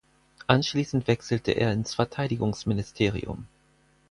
Anschließend wechselte er ins Verteidigungsministerium.